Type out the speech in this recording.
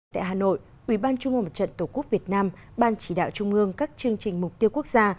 tại hà nội ubnd tổ quốc việt nam ban chỉ đạo trung ương các chương trình mục tiêu quốc gia